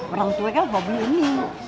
orang tua kan hobi ini